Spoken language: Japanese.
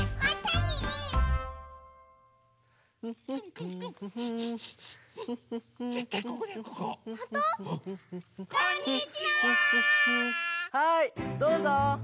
はいどうぞ。